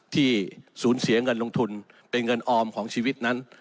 ที่สูญเสียเงินลงทุนเป็นเงินออมของชีวิตนั้น